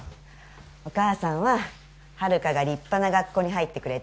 お母さんは遙が立派な学校に入ってくれて